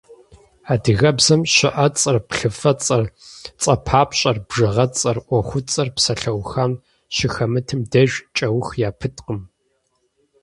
Адыгэбзэм щыӏэцӏэр, плъыфэцӏэр, цӏэпапщӏэр, бжыгъэцӏэр, ӏуэхуцӏэр псалъэухам щыхэмытым деж кӏэух япыткъым.